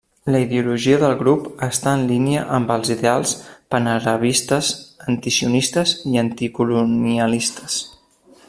La ideologia del grup està en línia amb els ideals panarabistes, antisionistes i anticolonialistes.